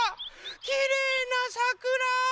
きれいなさくら！